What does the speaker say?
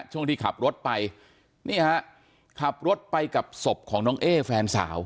ช่วงที่ขับรถไปนี่ฮะขับรถไปกับศพของน้องเอ๊แฟนสาว